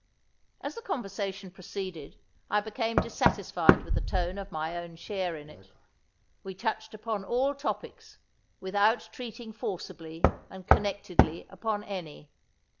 As the conversation proceeded, I became dissatisfied with the tone of my own share in it. We touched upon all topics, without treating forcibly and connectedly upon any.